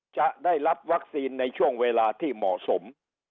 จะได้รับวัคซีนในช่วงเวลาที่เหมาะสม